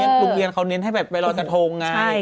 เพราะลุงเรียนเค้าเน้นให้ไปรอแต่โทง่าย